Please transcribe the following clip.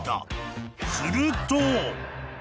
［すると］